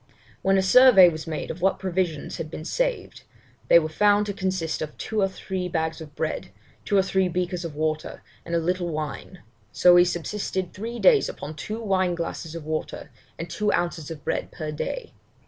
'When a survey was made of what provisions had been saved, they were found to consist of two or three bags of bread, two or three breakers of water, and a little wine; so we subsisted three days upon two wine glasses of water, and two ounces of bread per day.